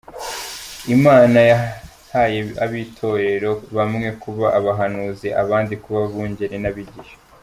Imana yahaye ab’Itorero bamwe kuba abahanuzi, abandi kuba abungeri n’abigisha.